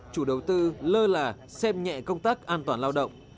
chủ đầu tư lơ là xem nhẹ công tác an toàn lao động